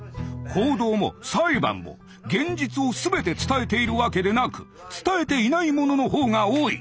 報道も裁判も現実を全て伝えているわけでなく伝えていないものの方が多い。